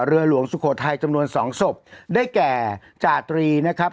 เรือหลวงสุโขทัยจำนวนสองศพได้แก่จาตรีนะครับ